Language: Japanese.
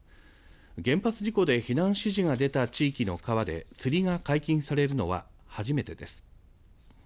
原発事故で避難指示が出た地域の川で釣りが解禁されるのは初めてです。